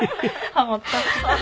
ハモった。